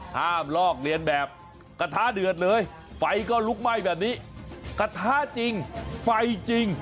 ลอกเรียนแบบกระทะเดือดเลยไฟก็ลุกไหม้แบบนี้กระทะจริงไฟจริง